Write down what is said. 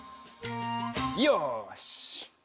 よし！